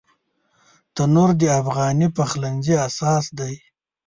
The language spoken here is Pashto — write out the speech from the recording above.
تنور د افغاني پخلنځي اساس دی